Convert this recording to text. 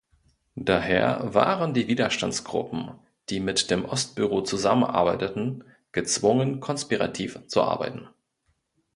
Daher waren die Widerstandsgruppen, die mit dem Ostbüro zusammenarbeiteten, gezwungen konspirativ zu arbeiten.